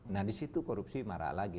nah di situ korupsi marak lagi